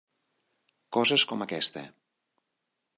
Coses com aquesta.